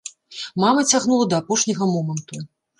Мама цягнула да апошняга моманту.